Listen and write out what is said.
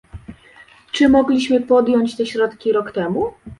Czy mogliśmy podjąć te środki rok temu?